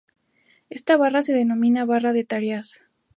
Esta barra se denomina "barra de tareas".